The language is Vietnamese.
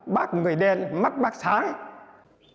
bác người đen mắt bác sáng